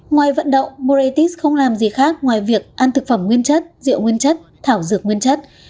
ngoài vận động moraitis không làm gì khác ngoài việc ăn thực phẩm nguyên chất rượu nguyên chất thảo dược nguyên chất